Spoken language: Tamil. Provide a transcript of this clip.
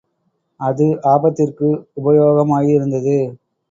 அது ஆபத்திற்கு உபயோகமாயிருந்தது.